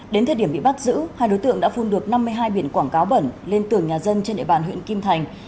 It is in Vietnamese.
đến thời điểm bị bắt giữ hai đối tượng đã phun được năm mươi hai biển quảng cáo bẩn lên tường nhà dân trên địa bàn huyện kim thành